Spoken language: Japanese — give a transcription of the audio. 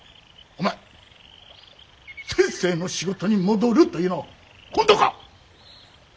お前先生の仕事に戻るというのは本当か？